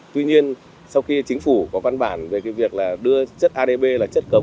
tuy nhiên sau khi chính phủ có văn bản về việc đưa chất adp là chất cộng